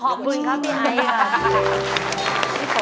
ขอบคุณครับมีใครอีกครับ